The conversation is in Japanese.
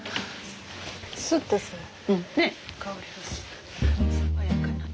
スッとする。